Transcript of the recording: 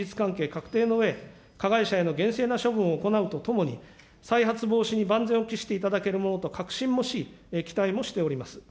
確定のうえ、加害者への厳正な処分を行うとともに、再発防止に万全を期していただけるものと確信もし、期待もしております。